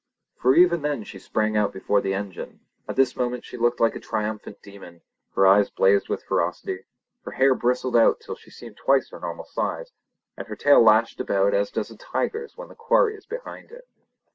for even then she sprang out before the engine. At this moment she looked like a triumphant demon. Her eyes blazed with ferocity, her hair bristled out till she seemed twice her normal size, and her tail lashed about as does a tiger's when the quarry is before it.